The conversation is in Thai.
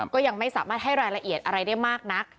ก็ยังไม่สามารถให้รายละเอียดอะไรได้มากนัก